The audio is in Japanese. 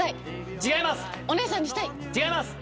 違います。